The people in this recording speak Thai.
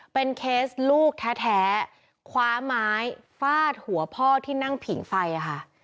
เป็นเคสลูกแท้คว้าไม้ฟาดหัวพ่อที่นั่งผิงไฟค่ะ